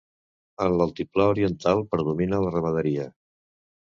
En l'altiplà oriental predomina la ramaderia.